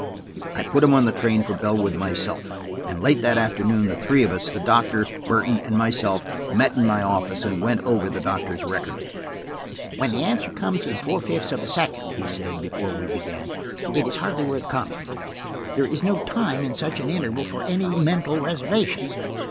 I put him on the train for Bellwood myself, and late that afternoon the three of us–the doctor, Burton, and myself–met in my office and went over the doctor's record. "When the answer comes in four fifths of a second," he said, before we began, "it is hardly worth comment. There is no time in such an interval for any mental reservation.